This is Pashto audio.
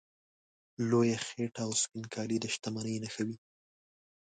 لویه خېټه او سپین کالي د شتمنۍ نښې وې.